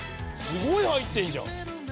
「すごい入ってるじゃん！」